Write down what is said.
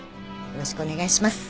よろしくお願いします。